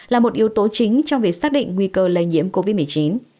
là một yếu tố chính trong việc xác định nguy cơ lây nhiễm covid một mươi chín